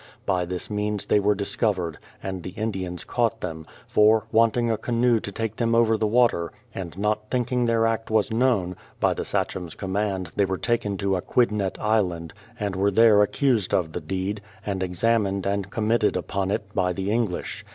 By this means they were dis covered, and the Indians caught them; for, wanting a canoe to take them over the water, and not thinking their act was known, by the sachem's command they were taken to Aquidnett Island, and were there accused of the deed, and examined and committed upon it by the English.